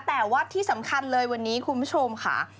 แต่ว่าที่สำคัญเลยวันนี้คุณผู้ชมค่ะ